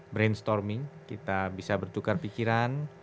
brainstorming kita bisa bertukar pikiran